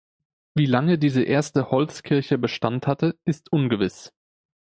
Wie lange diese erste Holzkirche Bestand hatte, ist ungewiss.